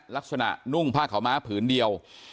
ลักฐานหนุ่งผ้าขาวม้าผืนเดียว